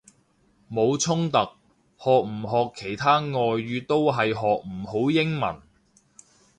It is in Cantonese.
冇衝突，學唔學其他外語都係學唔好英文！